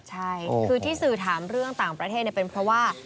ใช่คือที่สื่อถามเรื่องต่างประเทศเป็นเพราะว่า